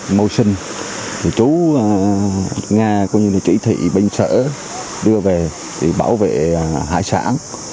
cạn kịp môi sinh chú nga cũng như là trị thị binh sở đưa về bảo vệ hải sản